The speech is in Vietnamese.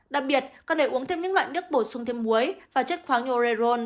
đặc biệt cần phải uống thêm những loại nước bổ sung thêm muối và chất khoáng nho rerone